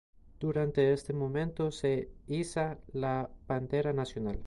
Durante este momento, se iza la Bandera Nacional.